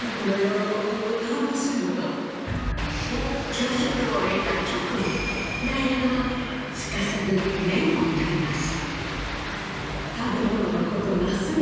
朝食を終えた直後ダイアナはすかさずメモを取ります。